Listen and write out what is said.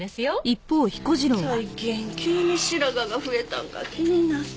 最近急に白髪が増えたのが気になって。